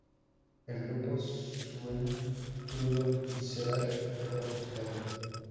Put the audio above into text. El grupo suena crudo, visceral pero ajustado.